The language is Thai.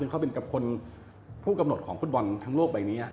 เขาเป็นคนผู้กำหนดของฟุตบอลทั้งโลกใบนี้